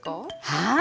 はい！